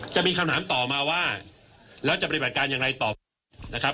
จะมีคำถามต่อมาว่าแล้วจะปฏิบัติการอย่างไรต่อนะครับ